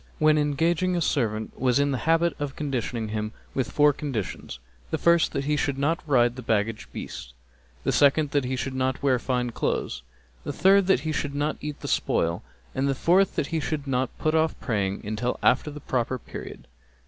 when engaging a servant was in the habit of conditioning him with four conditions; the first that he should not ride the baggage beasts, the second that he should not wear fine clothes, the third that he should not eat of the spoil and the fourth that he should not put off praying till after the proper period.